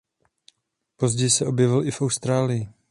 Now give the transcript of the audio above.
Později se objevil i v Austrálii.